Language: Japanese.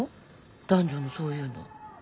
男女のそういうの。